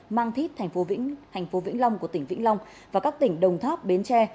mang thít thành phố vĩnh long của tỉnh vĩnh long và các tỉnh đồng tháp bến tre